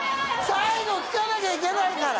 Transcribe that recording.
最後聞かなきゃいけないから！